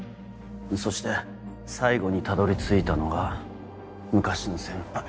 そして最後にたどり着いたのが昔の先輩